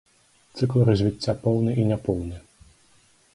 Цыкл развіцця поўны і няпоўны.